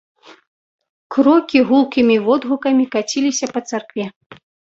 Крокі гулкімі водгукамі каціліся па царкве.